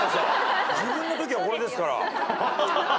自分のときはこれですから。